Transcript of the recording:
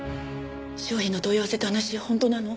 商品の問い合わせって話本当なの？